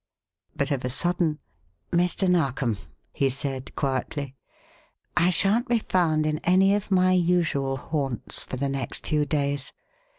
But of a sudden: "Mr. Narkom," he said, quietly "I shan't be found in any of my usual haunts for the next few days.